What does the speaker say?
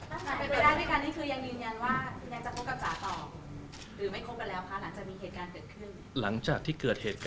ถ้าผ่านไปไปได้ด้วยกันนี่คือยังยืนยันว่า